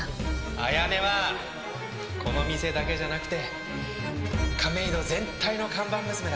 彩音はこの店だけじゃなくて亀戸全体の看板娘だからな。